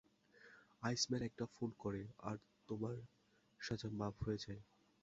Iceman একটা phone করে, আর তোমার সাজা মাফ হয়ে যায়।